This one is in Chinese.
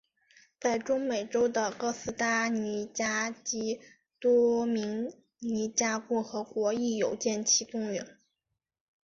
在中美洲的哥斯达尼加及多明尼加共和国亦有见其踪影。